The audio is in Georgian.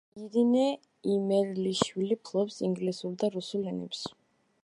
ირინე იმერლიშვილი ფლობს ინგლისურ და რუსულ ენებს.